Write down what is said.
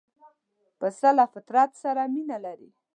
پسه له فطرت سره مینه لري.